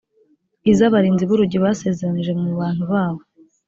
izo abarinzi b’urugi basezeranije mu bantu babo